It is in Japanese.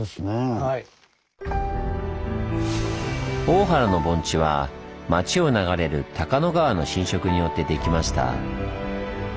大原の盆地は町を流れる高野川の侵食によってできました。